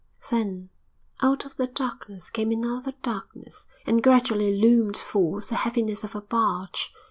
Then out of the darkness came another darkness, and gradually loomed forth the heaviness of a barge.